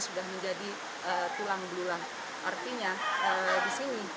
sudah menjadi tulang bulu lang artinya disini